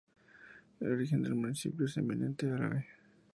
El origen del municipio es eminentemente árabe.